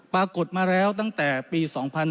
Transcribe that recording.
ปรากฏมาแล้วตั้งแต่ปี๒๕๕๙